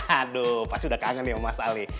aduh pasti udah kangen ya mas ali